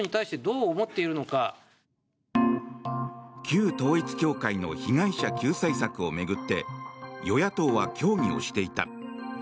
旧統一教会の被害者救済策を巡って与野党は協議をしていた。